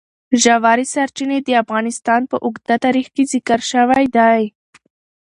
ژورې سرچینې د افغانستان په اوږده تاریخ کې ذکر شوی دی.